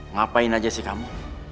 ngapain aja sih kamu